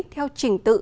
theo trình tự